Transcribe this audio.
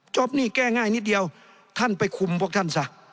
หนี้แก้ง่ายนิดเดียวท่านไปคุมพวกท่านซะ